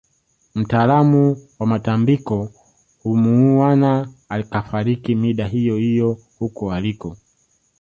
Mtaalamu wa matambiko humuuwana akafariki mida hiyohiyo huko aliko